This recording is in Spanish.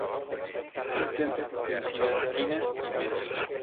Intenta que coincidan fines y medios.